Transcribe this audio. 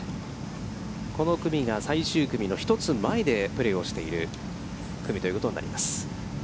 この組が最終組の１つ前でプレーをしている組ということになります。